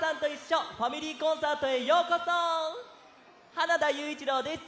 花田ゆういちろうです。